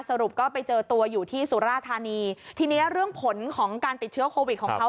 สรุปก็ไปเจอตัวอยู่ที่สุราธานีทีเนี้ยเรื่องผลของการติดเชื้อโควิดของเขา